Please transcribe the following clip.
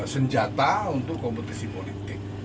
senjata untuk kompetisi politik